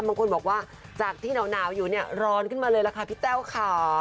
บางคนบอกว่าจากที่หนาวอยู่เนี่ยร้อนขึ้นมาเลยล่ะค่ะพี่แต้วค่ะ